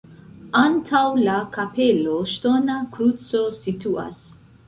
Antaŭ la kapelo ŝtona kruco situas.